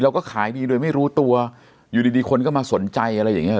ขายดีโดยไม่รู้ตัวอยู่ดีคนก็มาสนใจอะไรอย่างเงี้